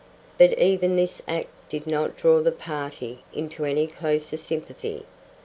But even this act did not draw the party into any closer sympathy.